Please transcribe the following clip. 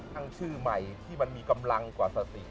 ทั้งชื่อใหม่ที่มันมีกำลังกว่าศาสตรี